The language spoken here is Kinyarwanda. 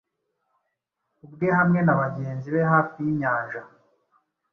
ubwe hamwe na bagenzi be hafi yinyanja-